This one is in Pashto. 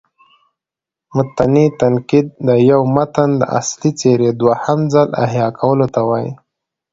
متني تنقید: د یو متن د اصلي څېرې دوهم ځل احیا کولو ته وايي.